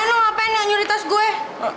kebanyakan apaan yang nyuri tas gue